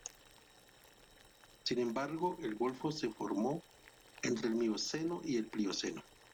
Sin embargo, el golfo se formó entre el Mioceno y el Plioceno.